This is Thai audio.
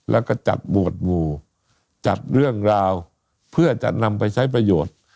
แล้วก็จัดบวชงูจัดเรื่องราวเพื่อจะนำไปใช้ประโยชน์